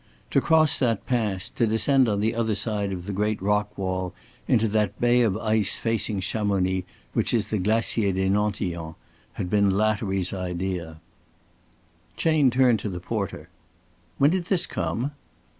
To cross that pass, to descend on the other side of the great rock wall into that bay of ice facing Chamonix, which is the Glacier des Nantillons, had been Lattery's idea. Chayne turned to the porter. "When did this come?"